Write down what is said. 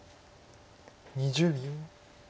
２０秒。